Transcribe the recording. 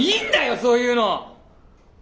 そういうの！